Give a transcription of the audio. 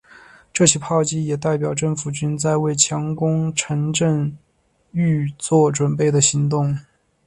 这起炮击也代表政府军在为强攻城镇预作准备的行动。